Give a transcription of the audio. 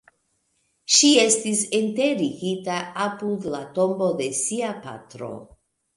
Ŝi estis enterigita apud la tombo de sia patro.